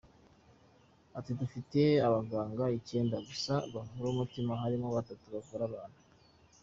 Ati “Dufite abaganga icyenda gusa bavura umutima harimo batatu bavura abana.